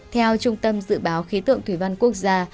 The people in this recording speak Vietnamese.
theo trung tâm dự báo khí tượng thủy văn quốc gia